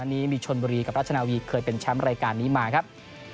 นี้มีชนบุรีกับราชนาวีเคยเป็นแชมป์รายการนี้มาครับ